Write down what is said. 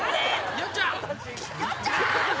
よっちゃん！